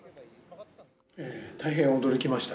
大変驚きました。